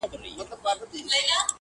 د انتظار دې پر پدره سي لعنت شېرينې,